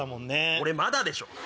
俺まだでしょ！